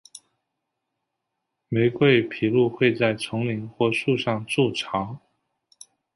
玫瑰琵鹭会在丛林或树上筑巢。